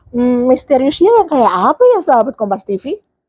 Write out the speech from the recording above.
hmm misteriusnya yang kayak apa ya sahabat kompas tv